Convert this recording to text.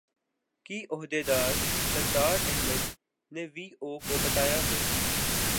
کی عہدیدار سدرا احمد نے وی او کو بتایا ہے